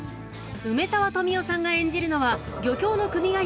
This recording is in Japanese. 梅沢富美男さんが演じるのは漁協の組合